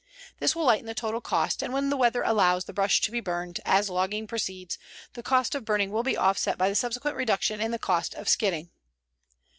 This will lighten the total cost, and when the weather allows the brush to be burned, as logging proceeds, the cost of burning will be offset by the subsequent reduction in the cost of skidding.